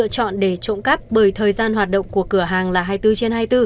chọn để trộm cắp bởi thời gian hoạt động của cửa hàng là hai mươi bốn trên hai mươi bốn